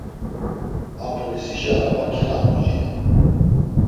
A polisişi araba kelaxt̆u cile.